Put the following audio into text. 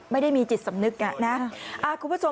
ไม่ได้มีจิตสำนึก